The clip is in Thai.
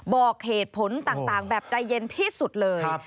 บอกเหตุผลต่างแบบใจเย็นที่สุดเลย